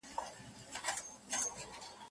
هره ورځ به وې نارې د وزیرانو